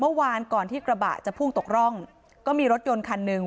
เมื่อวานก่อนที่กระบะจะพุ่งตกร่องก็มีรถยนต์คันหนึ่ง